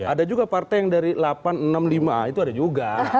ada juga partai yang dari delapan enam puluh lima itu ada juga